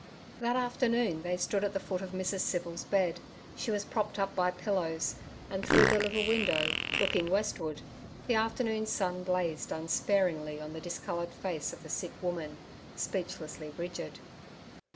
That afternoon they stood at the foot of Mrs. Civil's bed. She was propped up by pillows, and through the little window looking westward the afternoon sun blazed unsparingly on the discoloured face of the sick woman, speechlessly rigid.